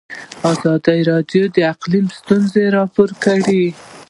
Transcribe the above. ازادي راډیو د اقلیم ستونزې راپور کړي.